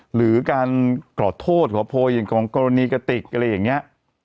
หรือการกรอดโทษหรือว่าโพยอย่างกรณีกติกอะไรอย่างนี้